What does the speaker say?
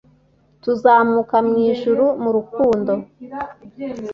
Tuzamuka mu ijuru mu Rukundo